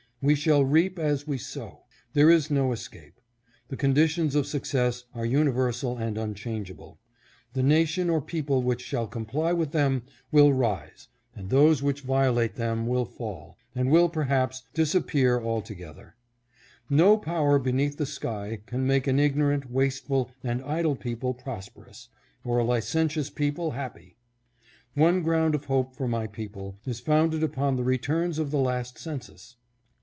We shall reap as we sow. There is no escape. The conditions of success are universal and unchangeable. The nation or people which shall comply with them will rise, and those which violate them will fall, and will perhaps, disappear alto HOPE FOR OUR RACE. 617 gether. No power beneath the sky can make an ignorant, wasteful, and idle people prosperous, or a licentious people happy. One ground of hope for my people is founded upon the returns of the last census.